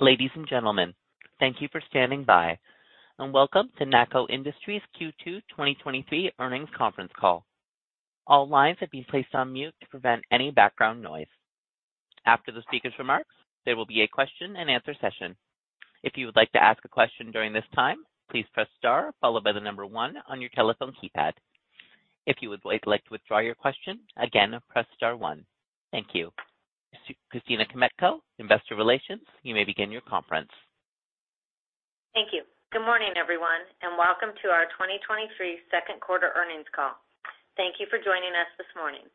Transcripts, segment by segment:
Ladies and gentlemen, thank you for standing by, and welcome to NACCO Industries Q2 2023 earnings conference call. All lines have been placed on mute to prevent any background noise. After the speaker's remarks, there will be aQ&A session. If you would like to ask a question during this time, please press star followed by the 1 on your telephone keypad. If you would like to withdraw your question, again, press star one. Thank you. Christina Kmetko, Investor Relations, you may begin your conference. Thank you. Good morning, everyone, welcome to our 2023 second quarter earnings call. Thank you for joining us this morning.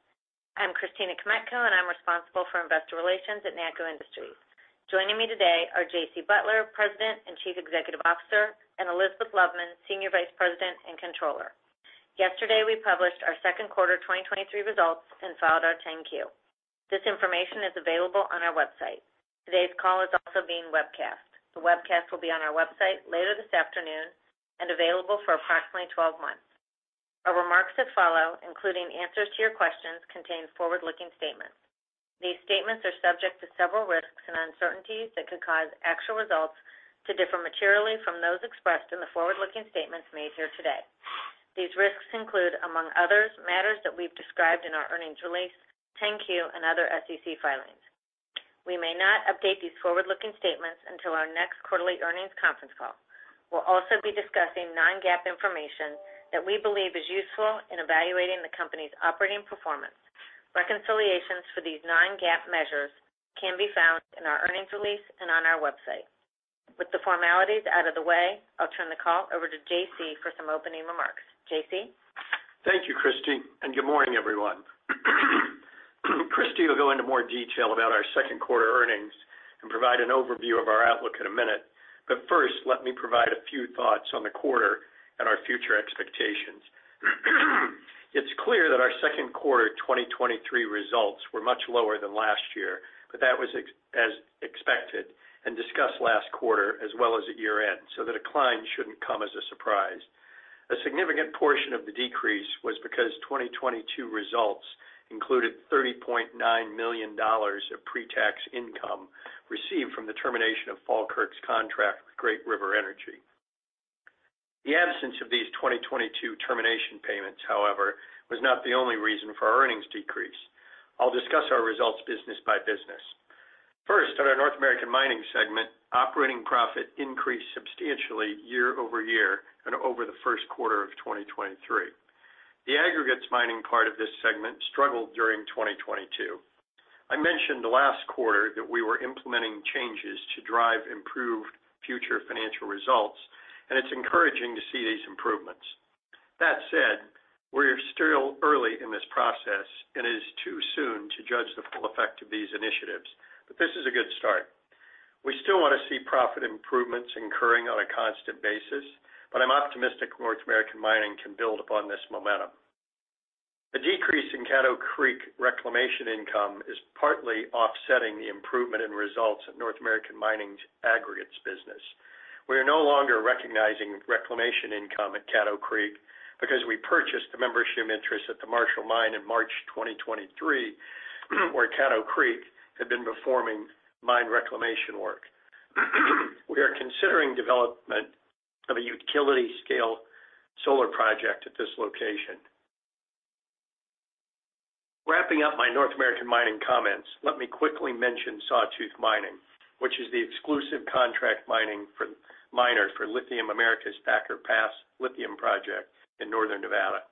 I'm Christina Kmetko, and I'm responsible for Investor Relations at NACCO Industries. Joining me today are J.C. Butler, President and Chief Executive Officer, and Elizabeth Loveman, Senior Vice President and Controller. Yesterday, we published our second quarter 2023 results and filed our 10-Q. This information is available on our website. Today's call is also being webcast. The webcast will be on our website later this afternoon and available for approximately 12 months. Our remarks that follow, including answers to your questions, contain forward-looking statements. These statements are subject to several risks and uncertainties that could cause actual results to differ materially from those expressed in the forward-looking statements made here today. These risks include, among others, matters that we've described in our earnings release, 10-Q, and other SEC filings. We may not update these forward-looking statements until our next quarterly earnings conference call. We'll also be discussing non-GAAP information that we believe is useful in evaluating the company's operating performance. Reconciliations for these non-GAAP measures can be found in our earnings release and on our website. With the formalities out of the way, I'll turn the call over to J.C. for some opening remarks. J.C.? Thank you, Christy. Good morning, everyone. Christy will go into more detail about our second quarter earnings and provide an overview of our outlook in a minute. First, let me provide a few thoughts on the quarter and our future expectations. It's clear that our second quarter 2023 results were much lower than last year, but that was as expected and discussed last quarter as well as at year-end, the decline shouldn't come as a surprise. A significant portion of the decrease was because 2022 results included $30.9 million of pre-tax income received from the termination of Falkirk's contract with Great River Energy. The absence of these 2022 termination payments, however, was not the only reason for our earnings decrease. I'll discuss our results business by business. First, on our North American Mining segment, operating profit increased substantially year-over-year and over the first quarter of 2023. The aggregates mining part of this segment struggled during 2022. I mentioned the last quarter that we were implementing changes to drive improved future financial results, and it's encouraging to see these improvements. That said, we're still early in this process, and it is too soon to judge the full effect of these initiatives, but this is a good start. We still want to see profit improvements incurring on a constant basis, but I'm optimistic North American Mining can build upon this momentum. The decrease in Caddo Creek reclamation income is partly offsetting the improvement in results at North American Mining's aggregates business. We are no longer recognizing reclamation income at Caddo Creek because we purchased a membership interest at the Marshall Mine in March 2023, where Caddo Creek had been performing mine reclamation work. We are considering development of a utility-scale solar project at this location. Wrapping up my North American Mining comments, let me quickly mention Sawtooth Mining, which is the exclusive contract miner for Lithium Americas' Thacker Pass Lithium project in northern Nevada.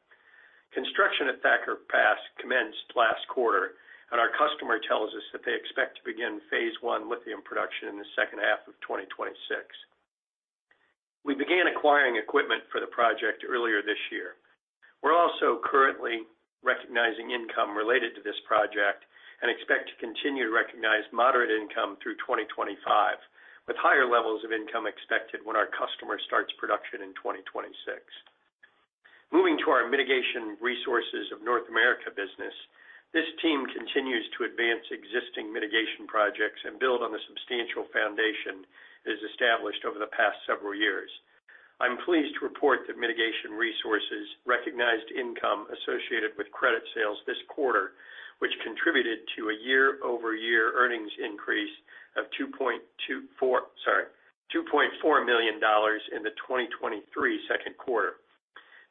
Construction at Thacker Pass commenced last quarter, and our customer tells us that they expect to begin phase I Lithium production in the second half of 2026. We began acquiring equipment for the project earlier this year. We're also currently recognizing income related to this project and expect to continue to recognize moderate income through 2025, with higher levels of income expected when our customer starts production in 2026. Moving to our Mitigation Resources of North America business, this team continues to advance existing mitigation projects and build on the substantial foundation that is established over the past several years. I'm pleased to report that Mitigation Resources recognized income associated with credit sales this quarter, which contributed to a year-over-year earnings increase of $2.4 million in the 2023 second quarter.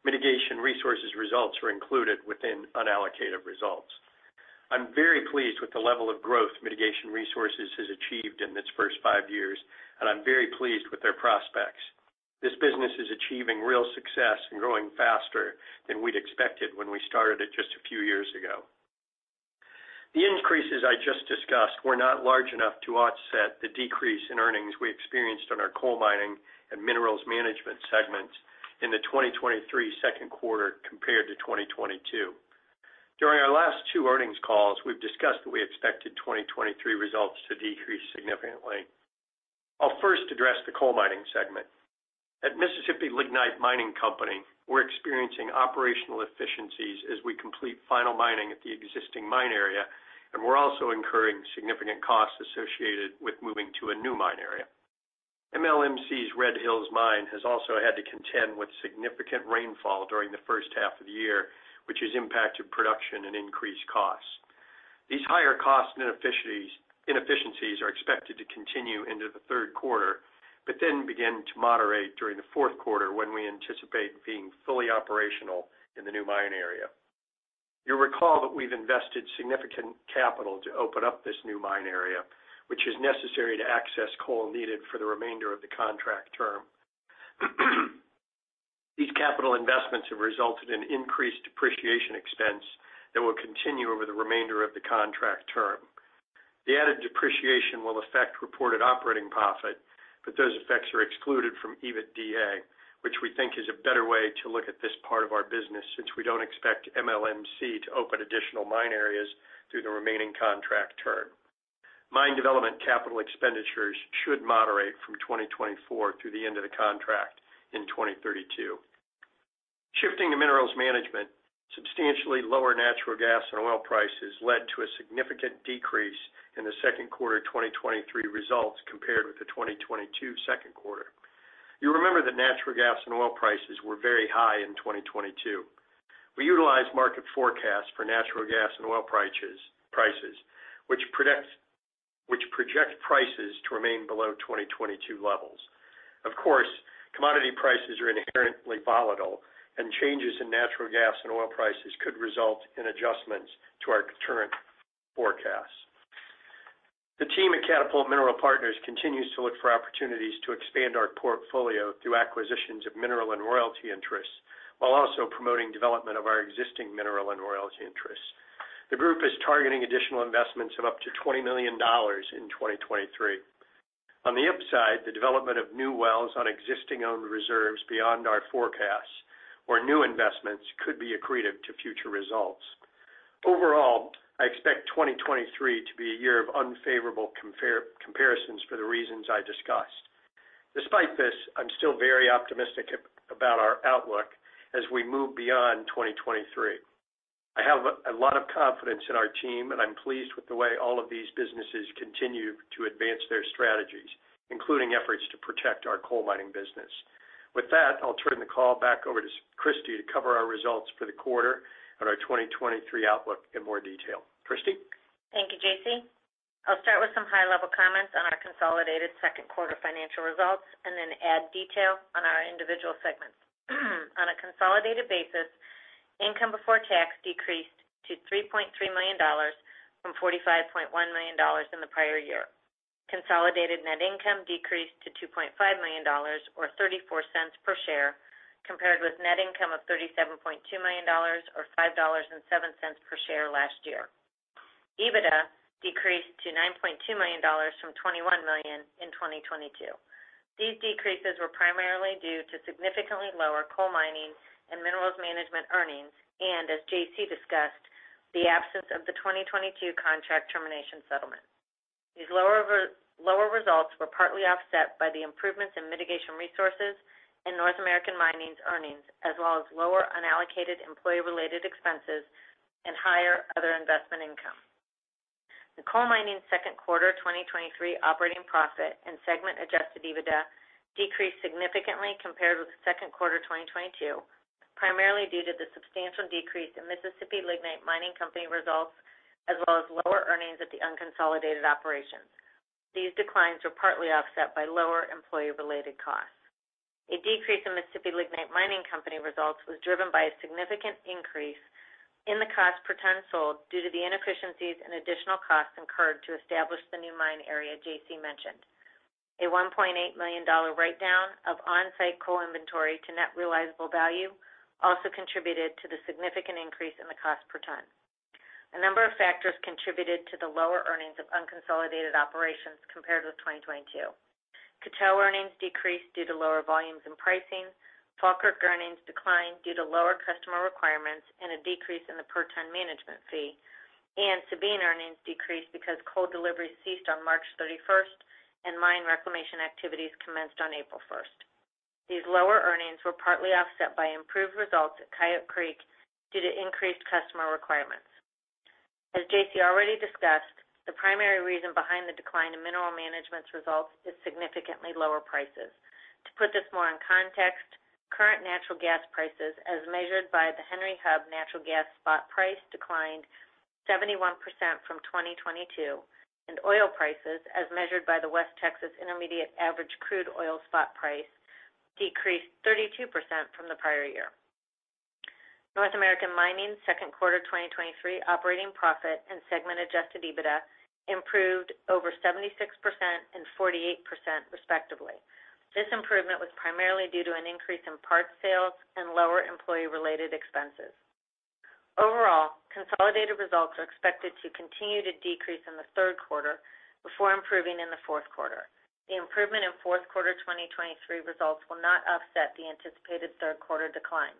Mitigation Resources results were included within unallocated results. I'm very pleased with the level of growth Mitigation Resources has achieved in its first five years, and I'm very pleased with their prospects. This business is achieving real success and growing faster than we'd expected when we started it just a few years ago. The increases I just discussed were not large enough to offset the decrease in earnings we experienced on our Coal Mining and Minerals Management segments in the 2023 second quarter compared to 2022. During our last two earnings calls, we've discussed that we expected 2023 results to decrease significantly. I'll first address the Coal Mining segment. At Mississippi Lignite Mining Company, we're experiencing operational efficiencies as we complete final mining at the existing mine area, and we're also incurring significant costs associated with moving to a new mine area. MLMC's Red Hills mine has also had to contend with significant rainfall during the first half of the year, which has impacted production and increased costs. These higher costs and inefficiencies are expected to continue into the third quarter, then begin to moderate during the fourth quarter, when we anticipate being fully operational in the new mine area. You'll recall that we've invested significant capital to open up this new mine area, which is necessary to access coal needed for the remainder of the contract term. These capital investments have resulted in increased depreciation expense that will continue over the remainder of the contract term. The added depreciation will affect reported operating profit, those effects are excluded from EBITDA, which we think is a better way to look at this part of our business, since we don't expect MLMC to open additional mine areas through the remaining contract term. Mine development capital expenditures should moderate from 2024 through the end of the contract in 2032. Shifting to Minerals Management, substantially lower natural gas and oil prices led to a significant decrease in the second quarter 2023 results compared with the 2022 second quarter. You'll remember that natural gas and oil prices were very high in 2022. We utilized market forecasts for natural gas and oil prices, which project prices to remain below 2022 levels. Of course, commodity prices are inherently volatile, and changes in natural gas and oil prices could result in adjustments to our current forecasts. The team at Catapult Mineral Partners continues to look for opportunities to expand our portfolio through acquisitions of mineral and royalty interests, while also promoting development of our existing mineral and royalty interests. The group is targeting additional investments of up to $20 million in 2023. On the upside, the development of new wells on existing owned reserves beyond our forecasts or new investments could be accretive to future results. Overall, I expect 2023 to be a year of unfavorable comparisons for the reasons I discussed. Despite this, I'm still very optimistic about our outlook as we move beyond 2023. I have a lot of confidence in our team, and I'm pleased with the way all of these businesses continue to advance their strategies, including efforts to protect our coal mining business. With that, I'll turn the call back over to Christy to cover our results for the quarter and our 2023 outlook in more detail. Christy? Thank you, J.C. I'll start with some high-level comments on our consolidated second quarter financial results and then add detail on our individual segments. On a consolidated basis, income before tax decreased to $3.3 million from $45.1 million in the prior year. Consolidated net income decreased to $2.5 million, or $0.34 per share, compared with net income of $37.2 million or $5.07 per share last year. EBITDA decreased to $9.2 million from $21 million in 2022. These decreases were primarily due to significantly lower coal mining and Minerals Management earnings, and as J.C. discussed, the absence of the 2022 contract termination settlement. These lower results were partly offset by the improvements in Mitigation Resources and North American Mining's earnings, as well as lower unallocated employee-related expenses and higher other investment income. The coal mining second quarter 2023 operating profit and Segment Adjusted EBITDA decreased significantly compared with the second quarter 2022, primarily due to the substantial decrease in Mississippi Lignite Mining Company results, as well as lower earnings at the unconsolidated operations. These declines were partly offset by lower employee-related costs. A decrease in Mississippi Lignite Mining Company results was driven by a significant increase in the cost per ton sold due to the inefficiencies and additional costs incurred to establish the new mine area J.C. mentioned. A $1.8 million write-down of on-site coal inventory to net realizable value also contributed to the significant increase in the cost per ton. A number of factors contributed to the lower earnings of unconsolidated operations compared with 2022. Coteau earnings decreased due to lower volumes and pricing. Falkirk earnings declined due to lower customer requirements and a decrease in the per-ton management fee, and Sabine earnings decreased because coal delivery ceased on March 31st, and mine reclamation activities commenced on April 1st. These lower earnings were partly offset by improved results at Coyote Creek due to increased customer requirements. At this, J.C. already discussed, the primary reason behind the decline in Minerals Management's results is significantly lower prices. To put this more in context, current natural gas prices, as measured by the Henry Hub natural gas spot price, declined 71% from 2022, and oil prices, as measured by the West Texas Intermediate average crude oil spot price, decreased 32% from the prior year. North American Mining's second quarter 2023 operating profit and Segment Adjusted EBITDA improved over 76% and 48%, respectively. This improvement was primarily due to an increase in parts sales and lower employee-related expenses. Overall, consolidated results are expected to continue to decrease in the third quarter before improving in the fourth quarter. The improvement in fourth quarter 2023 results will not offset the anticipated third quarter decline.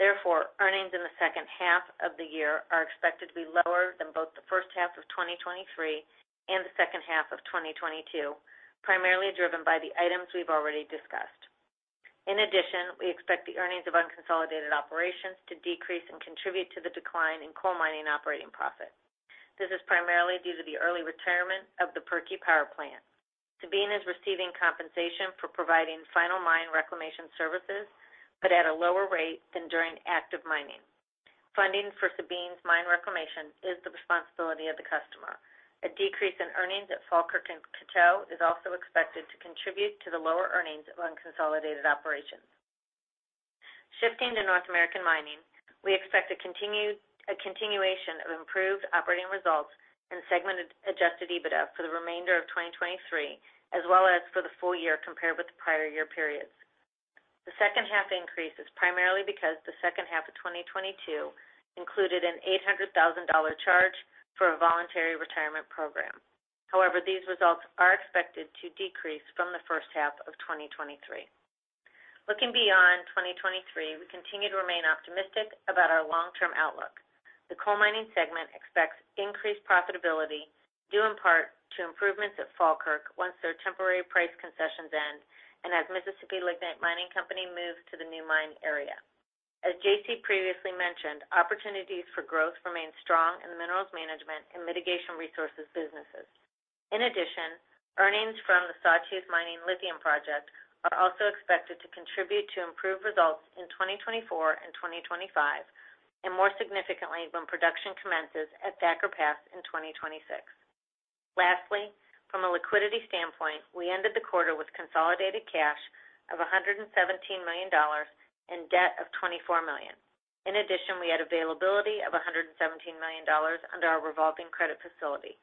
Therefore, earnings in the second half of the year are expected to be lower than both the first half of 2023 and the second half of 2022, primarily driven by the items we've already discussed. We expect the earnings of unconsolidated operations to decrease and contribute to the decline in coal mining operating profit. This is primarily due to the early retirement of the Pirkey Power Plant. Sabine is receiving compensation for providing final mine reclamation services, but at a lower rate than during active mining. Funding for Sabine's mine reclamation is the responsibility of the customer. A decrease in earnings at Falkirk and Coteau is also expected to contribute to the lower earnings of unconsolidated operations. Shifting to North American Mining, we expect a continuation of improved operating results and Segment Adjusted EBITDA for the remainder of 2023, as well as for the full year compared with the prior year periods. The second half increase is primarily because the second half of 2022 included an $800,000 charge for a voluntary retirement program. However, these results are expected to decrease from the first half of 2023. Looking beyond 2023, we continue to remain optimistic about our long-term outlook. The coal mining segment expects increased profitability, due in part to improvements at Falkirk once their temporary price concessions end and as Mississippi Lignite Mining Company moves to the new mine area. As J.C. previously mentioned, opportunities for growth remain strong in the Minerals Management and Mitigation Resources businesses. In addition, earnings from the Sawtooth Mining Lithium Project are also expected to contribute to improved results in 2024 and 2025, and more significantly, when production commences at Thacker Pass in 2026. Lastly, from a liquidity standpoint, we ended the quarter with consolidated cash of $117 million and debt of $24 million. In addition, we had availability of $117 million under our revolving credit facility.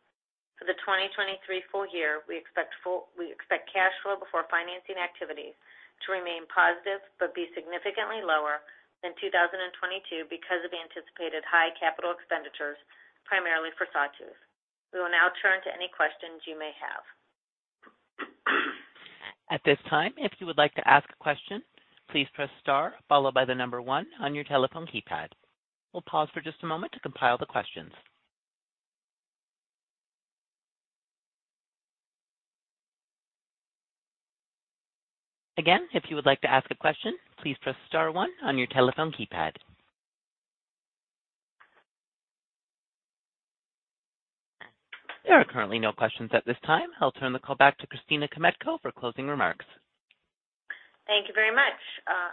For the 2023 full year, we expect cash flow before financing activities to remain positive, but be significantly lower than 2022 because of anticipated high capital expenditures, primarily for Sawtooth. We will now turn to any questions you may have. At this time, if you would like to ask a question, please press star followed by the number one on your telephone keypad. We'll pause for just a moment to compile the questions. Again, if you would like to ask a question, please press star one on your telephone keypad. There are currently no questions at this time. I'll turn the call back to Christina Kmetko for closing remarks. Thank you very much.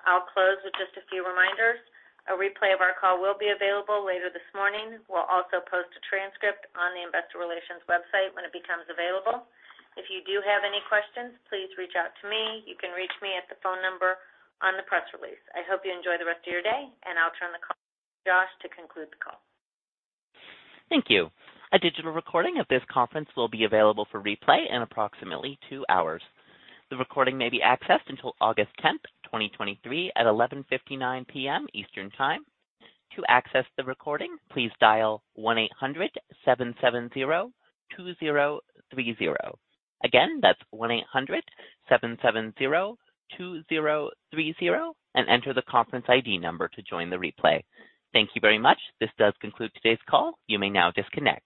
I'll close with just a few reminders. A replay of our call will be available later this morning. We'll also post a transcript on the investor relations website when it becomes available. If you do have any questions, please reach out to me. You can reach me at the phone number on the press release. I hope you enjoy the rest of your day, and I'll turn the call to Josh to conclude the call. Thank you. A digital recording of this conference will be available for replay in approximately 2 hours. The recording may be accessed until August 10th, 2023 at 11:59 P.M. Eastern Time. To access the recording, please dial 1-800-770-2030. Again, that's 1-800-770-2030, and enter the conference ID number to join the replay. Thank you very much. This does conclude today's call. You may now disconnect.